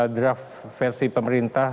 draft versi pemerintah